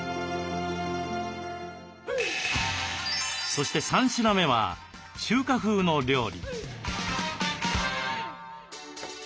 そして３品目は中華風の料理。